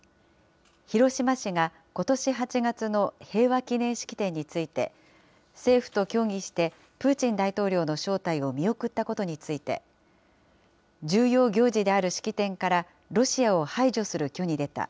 広島市がことし８月の平和記念式典について、政府と協議して、プーチン大統領の招待を見送ったことについて、重要行事である式典からロシアを排除する挙に出た。